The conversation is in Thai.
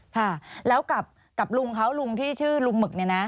ค่ะแล้วกับลุงเขาลุงที่ชื่อลุงหมึกเนี่ยนะ